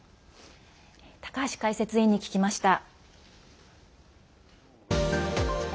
高橋解説委員に聞きました。